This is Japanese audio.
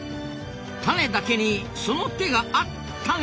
タネだけにその手があっタネ。